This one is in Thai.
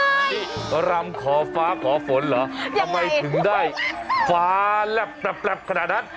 เฮ้ยทิริกรำครอฟ้าขอฝนเหรอทำไมถึงได้ฟ้ารับขนาดนั้น